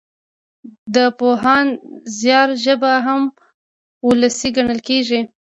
د پوهاند زيار ژبه هم وولسي ګڼل کېږي.